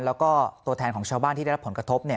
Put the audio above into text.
แล้วก็ตัวแทนของชาวบ้านที่ได้รับผลกระทบ